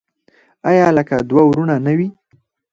آیا لکه دوه ورونه نه وي؟